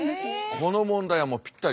この問題はもうぴったり。